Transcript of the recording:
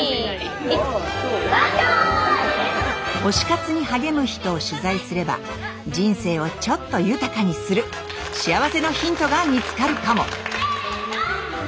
推し活に励む人を取材すれば人生をちょっと豊かにする幸せのヒントが見つかるかも？